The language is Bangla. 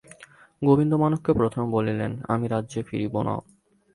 গোবিন্দমাণিক্য প্রথমে বলিলেন, আমি রাজ্যে ফিরিব না।